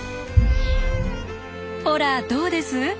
ほらどうです？